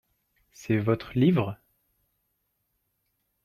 C'est votre livre ?